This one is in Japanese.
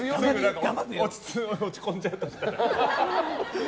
落ち込んじゃうとしたら。